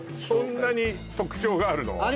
そんなに特徴があるの？